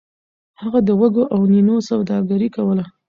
هغه د وږو او نینو سوداګري کوله.